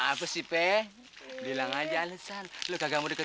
aku pegang ya aku kehidupan